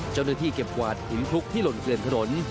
เจ้าหน้าที่เก็บแควดหินทุกข์ที่หล่นเกลียนถนน